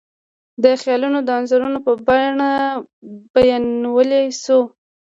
دا خیالونه د انځورونو په بڼه بیانولی شو.